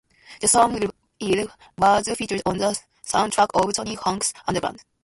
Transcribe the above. Their song "Rebel Yell" was featured on the soundtrack of "Tony Hawk's Underground".